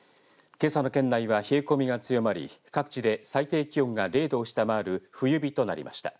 けさの県内は冷え込みが強まり各地で最低気温が０度を下回る冬日となりました。